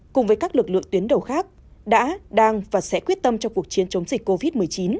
cùng với các lực lượng tuyến đầu khác đã đang và sẽ quyết tâm trong cuộc chiến chống dịch covid một mươi chín